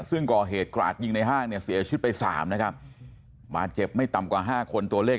ซึ่งก่อเหตุกราดยิงในห้างเนี่ยเสียชีวิตไปสามนะครับบาดเจ็บไม่ต่ำกว่าห้าคนตัวเลข